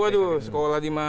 waduh sekolah dimana